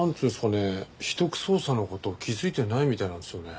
秘匿捜査の事気づいてないみたいなんですよね。